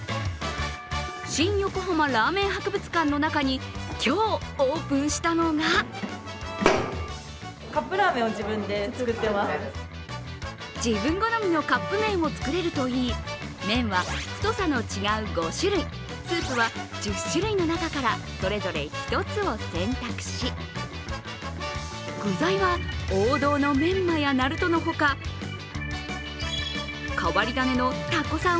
新横浜ラーメン博物館の中に今日オープンしたのが自分好みのカップ麺を作れるといい、麺は太さの違う５種類、スープは１０種類の中からそれぞれ１つを選択し具材は王道のメンマやナルトのほか、変わり種のタコさん